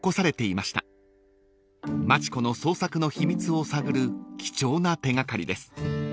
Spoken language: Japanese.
［町子の創作の秘密を探る貴重な手掛かりです］